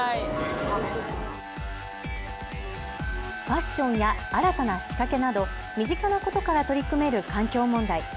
ファッションや新たな仕掛けなど身近なことから取り組める環境問題。